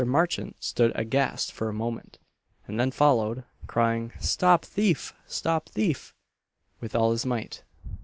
Marchant stood aghast for a moment, and then followed, crying "Stop thief! Stop thief!" with all his might.